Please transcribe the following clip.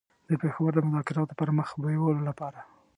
د پېښور د مذاکراتو د پر مخ بېولو لپاره.